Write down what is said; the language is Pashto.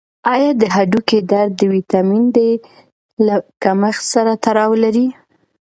آیا د هډوکو درد د ویټامین ډي له کمښت سره تړاو لري؟